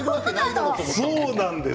そうなんです。